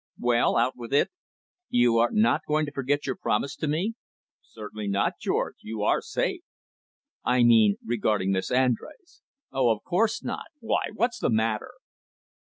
"Well, out with it." "You are not going to forget your promise to me?" "Certainly not, George. You are safe." "I mean regarding Miss Andrés." "Oh, of course not! Why, what's the matter?"